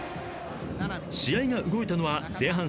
［試合が動いたのは前半３９分］